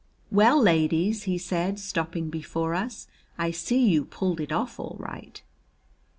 "Well, ladies," he said, stopping before us, "I see you pulled it off all right."